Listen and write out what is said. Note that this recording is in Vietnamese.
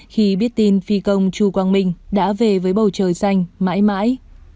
khi biết tin phi công chu quang minh đã về với bầu trời xanh mãi mãi